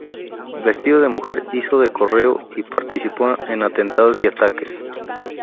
Vestido de mujer, hizo de correo y participó en atentados y ataques.